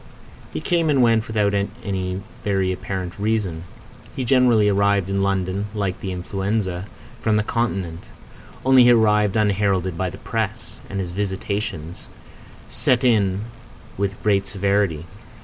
He came and went without any very apparent reason. He generally arrived in London (like the influenza) from the Continent, only he arrived unheralded by the Press; and his visitations set in with great severity.